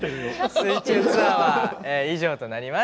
水中ツアーは以上となります！